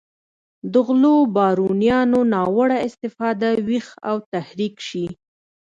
د غلو بارونیانو ناوړه استفاده ویښ او تحریک شي.